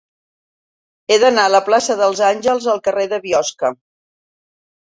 He d'anar de la plaça dels Àngels al carrer de Biosca.